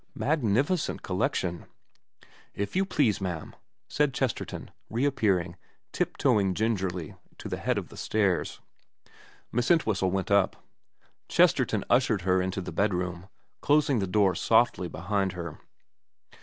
Magnificent collection. ' If you please, ma'am,' said Chesterton, reappearing, tiptoeing gingerly to the head of the stairs. Miss Entwhistle went up. Chesterton ushered her into the bedroom, closing the door softly behind her.